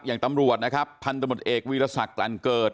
อย่างตำรวจนะครับพันธมติเอกวีรสักตอนเกิด